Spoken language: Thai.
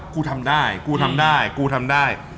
คุณทำได้คุณทำได้คุณทำได้